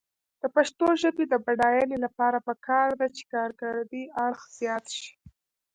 د پښتو ژبې د بډاینې لپاره پکار ده چې کارکردي اړخ زیات شي.